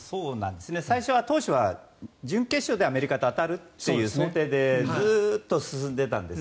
最初は当初は準決勝でアメリカと当たるという想定でずっと進んでいたんです。